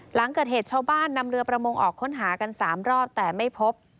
หลังเกิดเหตุชาวบ้านนำเรือประมงออกค้นหากัน๓รอบแต่ไม่พบ